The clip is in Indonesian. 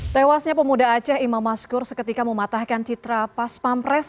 tewasnya pemuda aceh imam maskur seketika mematahkan citra pas pampres